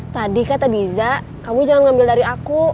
tadi kata diza kamu jangan ngambil dari aku